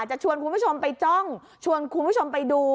จะชวนคุณผู้ชมไปจ้องชวนคุณผู้ชมไปดู